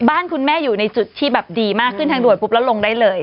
บ้านคุณแม่อยู่ในจุดที่แบบดีมากขึ้นทางด่วนปุ๊บแล้วลงได้เลย